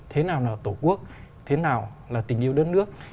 thế nào là tổ quốc thế nào là tình yêu đất nước